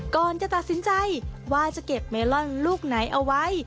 ก่อนจะตัดสินใจว่าจะเก็บเมลอนลูกไหนเอาไว้